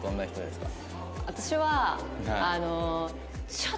私はあの。